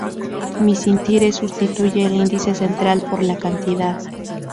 Macintyre sustituye el índice central por la cantidad.